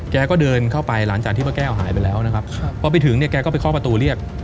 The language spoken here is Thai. แกก็เดินเข้าไปหลังจากที่ป้าแก้วหายไปแล้วนะครับพอไปถึงเนี่ยแกก็ไปเคาะประตูเรียก